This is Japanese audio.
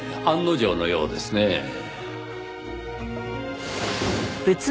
案の定のようですねぇ。